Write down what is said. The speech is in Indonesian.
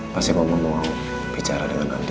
pas ya mama mau bicara dengan nanti